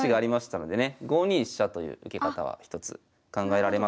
５二飛車という受け方は一つ考えられますが。